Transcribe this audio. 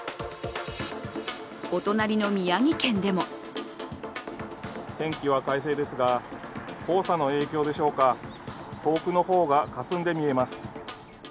お隣の宮城県でも天気は快晴ですが黄砂の影響でしょうか遠くの方がかすんで見えます。